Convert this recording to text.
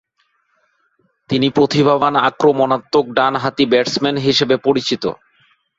তিনি প্রতিভাবান আক্রমণাত্মক ডান হাতি ব্যাটসম্যান হিসেবে পরিচিত।